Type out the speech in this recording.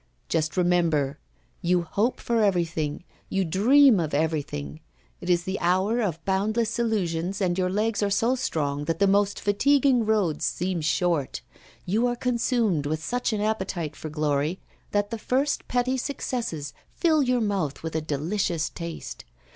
Just remember! You hope for everything, you dream of everything; it is the hour of boundless illusions, and your legs are so strong that the most fatiguing roads seem short; you are consumed with such an appetite for glory, that the first petty successes fill your mouth with a delicious taste.